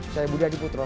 saya budi adiputra